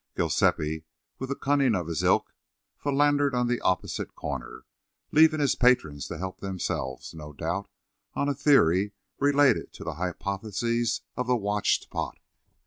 Giuseppi, with the cunning of his ilk, philandered on the opposite corner, leaving his patrons to help themselves, no doubt on a theory related to the hypothesis of the watched pot.